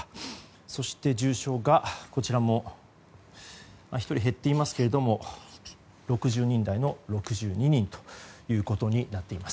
そして、重症がこちらも１人減っていますが６２人となっています。